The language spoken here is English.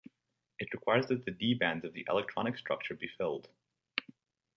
It requires that the d bands of the electronic structure be filled.